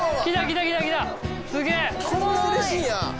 こんなうれしいんや。